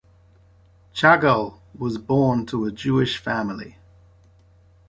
Chagall was born to a Jewish family.